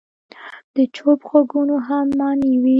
د چوپ ږغونو هم معنی وي.